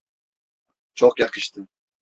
Çok yakıştı.